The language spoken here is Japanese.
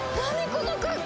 この格好。